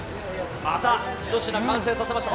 またひと品、完成させました。